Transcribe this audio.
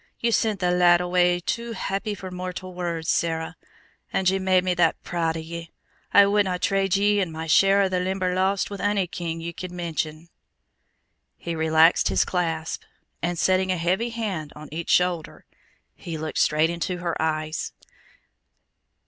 Ye sent the lad away too happy for mortal words, Sarah. And ye made me that proud o' ye! I wouldna trade ye an' my share o' the Limberlost with ony king ye could mention." He relaxed his clasp, and setting a heavy hand on each shoulder, he looked straight into her eyes.